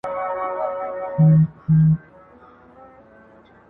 • تر څو حکمونه له حُجرې وي -